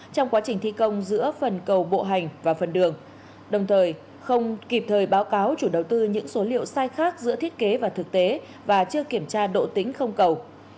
trong quá trình thi công giữa phần cầu bộ hành và phần đường đồng thời không kịp thời báo cáo chủ đầu tư những số liệu sai khác giữa thiết kế và thực tế và chưa kiểm tra độ tính không cầu